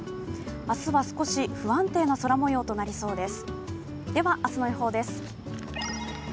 明日は少し不安定な空もようとなりそうです。